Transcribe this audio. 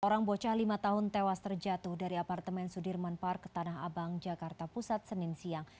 orang bocah lima tahun tewas terjatuh dari apartemen sudirman park ke tanah abang jakarta pusat senin siang